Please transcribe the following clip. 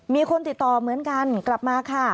มีคนติดต่อเหมือนกันกลับมาค่ะ